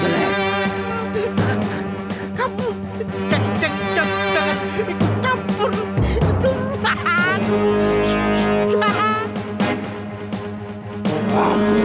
haduh aduh hom